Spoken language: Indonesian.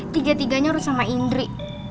tiga tiganya harus sama indri